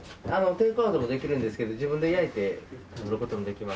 テイクアウトもできるんですけど自分で焼いて作る事もできます。